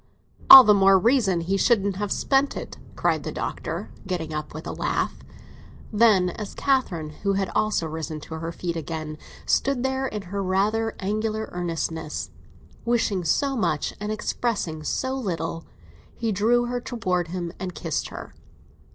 "All the more reason he shouldn't have spent it," cried the Doctor, getting up, with a laugh. Then as Catherine, who had also risen to her feet again, stood there in her rather angular earnestness, wishing so much and expressing so little, he drew her towards him and kissed her.